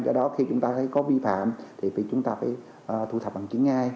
do đó khi chúng ta thấy có vi phạm thì chúng ta phải thu thập bằng chứng ngay